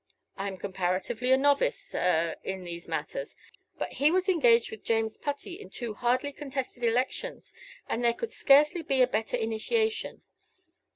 I am comparatively a novice a in these matters. But he was engaged with James Putty in two hardly contested elections, and there could scarcely be a better initiation.